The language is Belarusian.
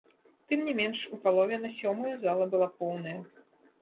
Тым не менш, у палове на сёмую зала была поўная.